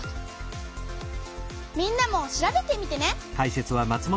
みんなも調べてみてね！